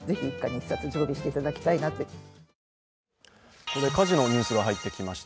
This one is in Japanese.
ここで火事のニュースが入ってきました。